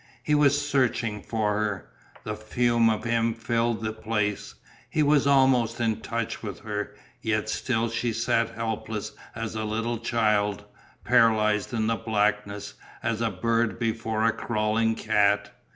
He was searching for her, the fume of him filled the place, he was almost in touch with her, yet still she sat helpless as a little child, paralysed in the blackness, as a bird before a crawling cat.